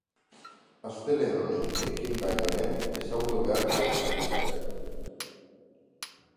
Astelehen honi ekin baino lehen ezagutu beharreko albisteak.